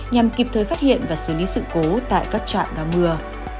nhằm kịp thời phát hiện và xử lý sự cố tại các trạm đo mưa